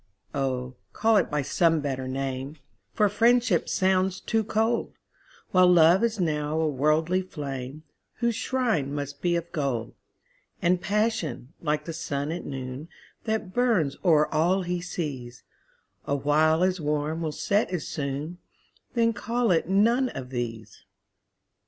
Oh, call it by some better name, For Friendship sounds too cold, While Love is now a worldly flame, Whose shrine must be of gold: And Passion, like the sun at noon, That burns o'er all he sees, Awhile as warm will set as soon Then call it none of these.